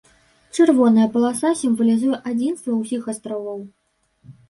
Чырвоная паласа сімвалізуе адзінства ўсіх астравоў.